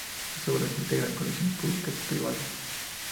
Sus obras integran colecciones públicas y privadas.